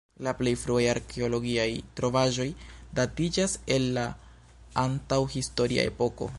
La plej fruaj arkeologiaj trovaĵoj datiĝas el la antaŭ-historia epoko.